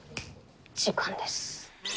時間です。